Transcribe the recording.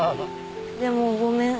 でもごめん。